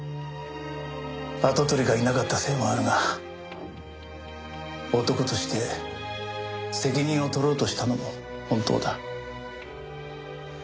跡取りがいなかったせいもあるが男として責任を取ろうとしたのも本当だ。